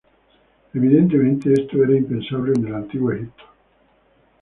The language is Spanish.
Evidentemente esto era impensable en el antiguo Egipto.